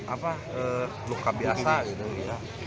apa luka biasa gitu ya